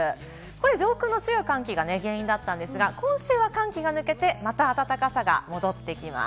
上空の強い寒気が原因だったんですが、今週は寒気が抜けて、また暖かさが戻ってきます。